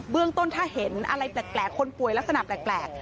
เรื่องต้นถ้าเห็นอะไรแปลกคนป่วยลักษณะแปลก